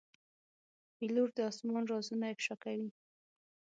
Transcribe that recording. پیلوټ د آسمان رازونه افشا کوي.